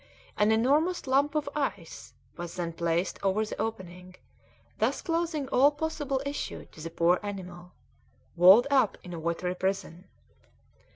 An enormous lump of ice was then placed over the opening, thus closing all possible issue to the poor animal, walled up in a watery prison.